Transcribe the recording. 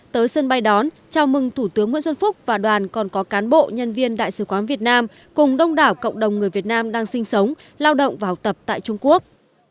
tới sân bay đón chào mừng thủ tướng nguyễn xuân phúc và đoàn còn có cán bộ nhân viên đại sứ quán việt nam cùng đông đảo cộng đồng người việt nam đang sinh sống lao động và học tập tại trung quốc